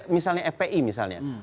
misalnya fpi misalnya